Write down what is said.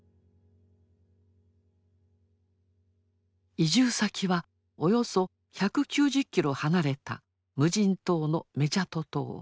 移住先はおよそ１９０キロ離れた無人島のメジャト島。